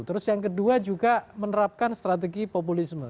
terus yang kedua juga menerapkan strategi populisme